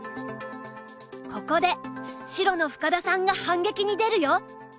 ここで白の深田さんが反撃に出るよ。